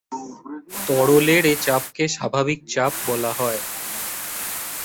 তরলের এ চাপকে স্বাভাবিক চাপ বলা হয়।